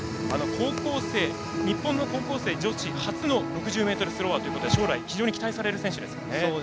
日本人高校生女子初の６０ｍスローワーということで非常に将来を期待される選手ですね。